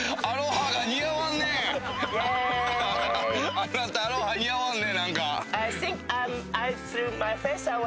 あなた、アロハ、似合わんね。